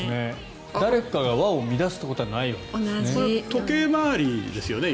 誰かが輪を乱すってことはないわけですね。